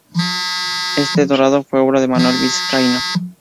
Este dorado fue obra de Manuel Vizcaíno.